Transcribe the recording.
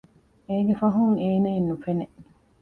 އޭގެ ފަހުން އޭނައެއް ނުފެނެ